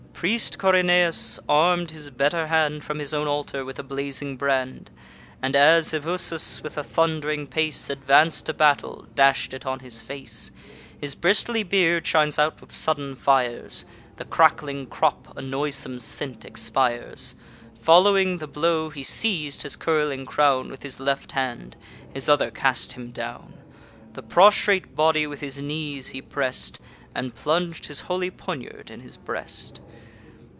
Priest Corynaeus, arm'd his better hand, From his own altar, with a blazing brand; And, as Ebusus with a thund'ring pace Advanc'd to battle, dash'd it on his face: His bristly beard shines out with sudden fires; The crackling crop a noisome scent expires. Following the blow, he seiz'd his curling crown With his left hand; his other cast him down. The prostrate body with his knees he press'd, And plung'd his holy poniard in his breast.